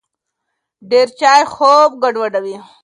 ډېر چای خوب ګډوډوي.